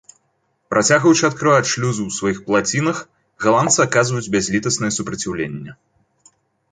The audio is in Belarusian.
Працягваючы адкрываць шлюзы ў сваіх плацінах, галандцы аказваюць бязлітаснае супраціўленне.